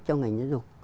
trong ngành giáo dục